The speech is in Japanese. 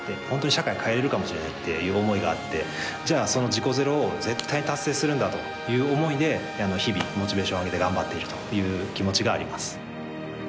本当に社会変えれるかもしれないっていう思いがあってじゃあその事故ゼロを絶対達成するんだという思いで日々モチベーションを上げて頑張っているという気持ちがあります。